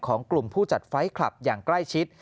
ของกลุ่มผู้จัดไฟล์คลับอย่างใกล้ชิด